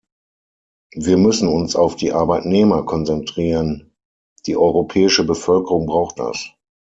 Wir müssen uns auf die Arbeitnehmer konzentrieren, die europäische Bevölkerung braucht das.